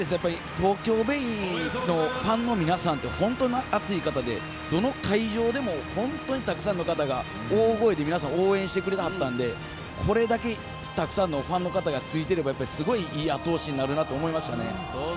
東京ベイのファンの皆さんって本当に熱い方で、どの会場でも本当にたくさんの方が大声で皆さん応援してくれてはったので、これだけ、たくさんのファンの方がついていれば、すごいいい後押しになるなと思いましたね。